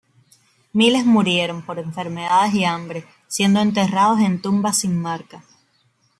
Miles murieron por enfermedades y hambre, siendo enterrados en tumbas sin marca.